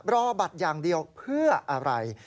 รอบัตรอย่างเดียวเพื่ออะไร